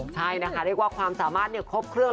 ใช่นะคะเรียกว่าความสามารถครบเครื่อง